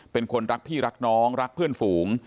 เป็นคนรักพี่รักน้องรักเพื่อนฝูง